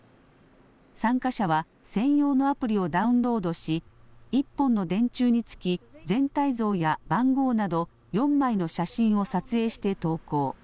参加者は専用のアプリをダウンロードし１本の電柱につき全体像や番号など４枚の写真を撮影して投稿。